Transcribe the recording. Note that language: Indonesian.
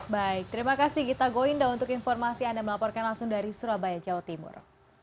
baik terima kasih gita goinda untuk informasi anda melaporkan langsung dari surabaya jawa timur